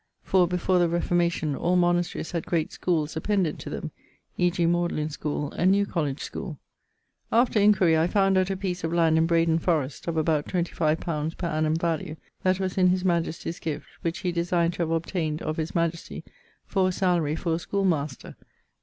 ] (for, before the reformation, all monasteries had great schooles appendant to them; e.g. Magdalen schoole and New College schoole). After enquiry I found out a piece of land in Bradon forest (of about 25 li. per annum value) that was in his majesties guift, which he designed to have obtained of his majestie for a salary for a schoolmaster; but[CXVIII.